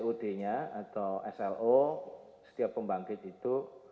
ud nya atau slo setiap pembangkit itu